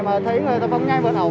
mà thấy người ta phóng nhanh vận ẩu